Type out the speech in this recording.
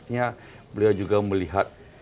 artinya beliau juga melihat